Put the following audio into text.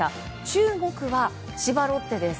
注目は千葉ロッテです。